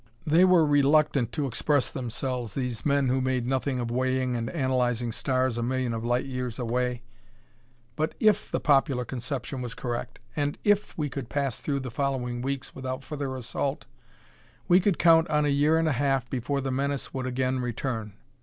They were reluctant to express themselves, these men who made nothing of weighing and analyzing stars a million of light years away, but if the popular conception was correct and if we could pass through the following weeks without further assault, we could count on a year and a half before the menace would again return.